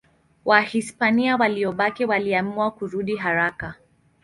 Wahispania waliobaki waliamua kurudi haraka.